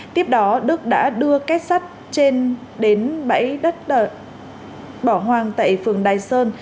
tiếp đó đức đã đưa kép sát trên đến bẫy đất bỏ hoang tại phường đài sơn